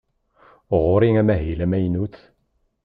Ɣur-i amahil amaynut.